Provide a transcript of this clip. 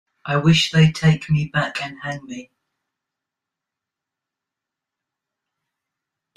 I wish they'd take me back and hang me.